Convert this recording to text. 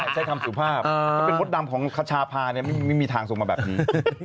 เป็นพตดำของคชาพาไม่มีทางส่งมาแบบนี้